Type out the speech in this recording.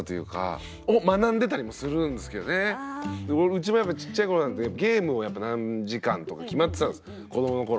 うちもやっぱちっちゃいころなんてゲームをやっぱ何時間とか決まってたんです子どもの頃。